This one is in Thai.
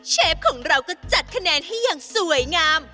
เชฟของเราก็จัดคะแนนให้อย่างสวยงาม